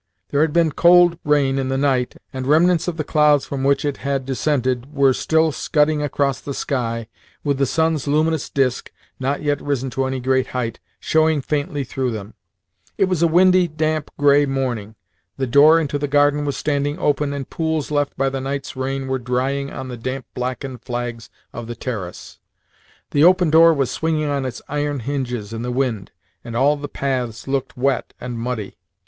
There had been cold rain in the night, and remnants of the clouds from which it had descended were still scudding across the sky, with the sun's luminous disc (not yet risen to any great height) showing faintly through them. It was a windy, damp, grey morning. The door into the garden was standing open, and pools left by the night's rain were drying on the damp blackened flags of the terrace. The open door was swinging on its iron hinges in the wind, and all the paths looked wet and muddy.